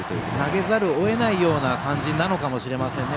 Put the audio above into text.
投げざるを得ない感じなのかもしれませんね。